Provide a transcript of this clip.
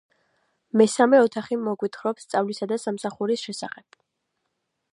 მესამე ოთახი მოგვითხრობს სწავლისა და სამსახურის შესახებ.